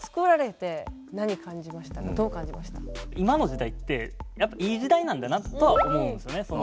今の時代っていい時代なんだなとは思うんですよね。